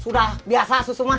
sudah biasa susu mah